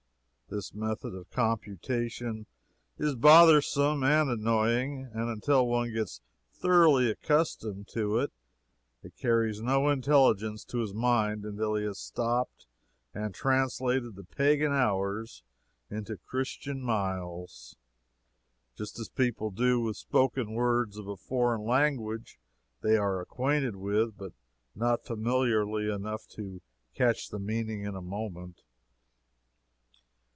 This method of computation is bothersome and annoying; and until one gets thoroughly accustomed to it, it carries no intelligence to his mind until he has stopped and translated the pagan hours into Christian miles, just as people do with the spoken words of a foreign language they are acquainted with, but not familiarly enough to catch the meaning in a moment.